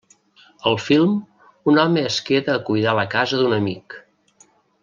Al film, un home es queda a cuidar la casa d'un amic.